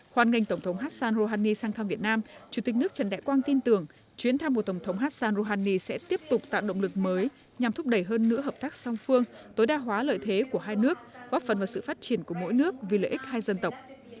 hoàn ngành tổng thống hassan rouhani sang thăm việt nam chủ tịch nước trần đại quang tin tưởng chuyến thăm của tổng thống hassan rouhani sẽ tiếp tục tạo động lực mới nhằm thúc đẩy hơn nữa hợp tác song phương tối đa hóa lợi thế của hai nước góp phần vào sự phát triển của mỗi nước vì lợi ích hai dân tộc